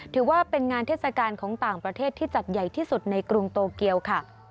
ถือว่าเป็นงานเทศกาลของต่างประเทศที่จัดใหญ่ที่สุดในกรุงโตเกียวค่ะ